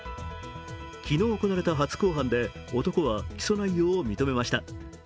昨日行われた初公判で、男は起訴内容を認めました。